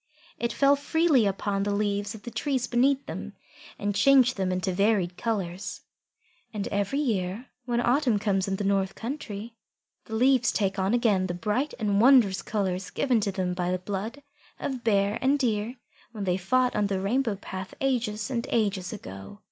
It fell freely upon the leaves of the trees beneath them, and changed them into varied colours. And every year when autumn comes in the north country, the leaves take on again the bright and wondrous colours given to them by the blood of Bear and Deer when they fought on the Rainbow path ages and ages ago.